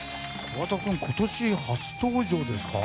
桑田君、今年初登場ですか。